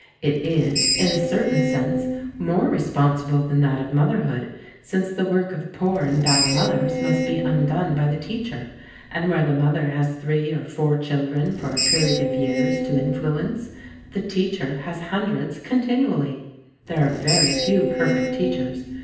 It is, in a certain sense, more responsible than that of motherhood, since the work of poor and bad mothers must be undone by the teacher, and where the mother has three or four children for a period of years to influence, the teacher has hundreds continually. There are very few perfect teachers.